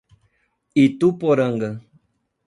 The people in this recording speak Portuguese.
Ituporanga